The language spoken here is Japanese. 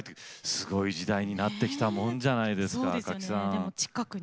すごい時代になってきたもんじゃないですか赤木さん。